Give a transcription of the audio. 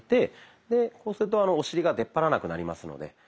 こうするとお尻が出っ張らなくなりますので。